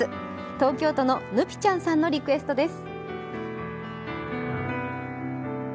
東京都のヌピちゃんさんのリクエストです。